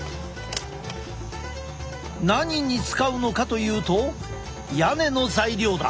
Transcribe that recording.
何に使うのかというと屋根の材料だ。